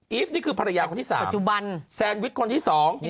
เอีฟนี้คือภรรยาคนที่๓